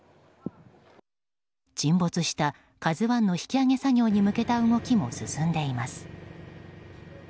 沈没した「ＫＡＺＵ１」の引き揚げ作業に向けた動きも進んでいます。